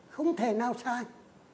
không thể nào sai